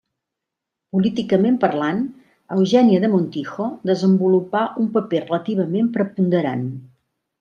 Políticament parlant, Eugènia de Montijo desenvolupà un paper relativament preponderant.